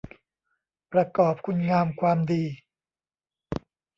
ประกอบคุณงามความดี